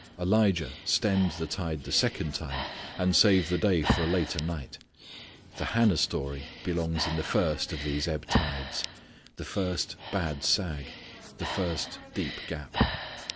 Elijah stemmed the tide the second time, and saved the day for a later night. The Hannah story belongs in the first of these ebb tides; the first bad sag; the first deep gap.